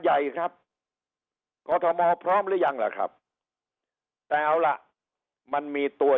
ใหญ่ครับกรทมพร้อมหรือยังล่ะครับแต่เอาล่ะมันมีตัว